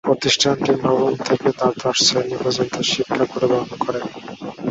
প্রতিষ্ঠানটি নবম থেকে দ্বাদশ শ্রেণী পর্যন্ত শিক্ষা প্রদান করে।